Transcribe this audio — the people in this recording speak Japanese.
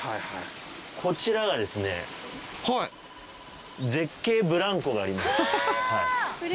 こちらがですね絶景ブランコがあります。